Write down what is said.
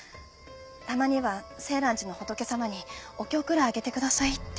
「たまには静嵐寺の仏様にお経くらいあげてください」って。